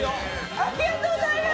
ありがとうございます！